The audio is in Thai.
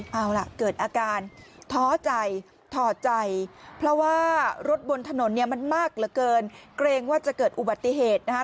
เอาล่ะเกิดอาการท้อใจถอดใจเพราะว่ารถบนถนนเนี่ยมันมากเหลือเกินเกรงว่าจะเกิดอุบัติเหตุนะคะ